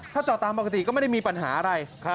ถ้าจอดตามปกติก็ไม่ได้มีปัญหาอะไร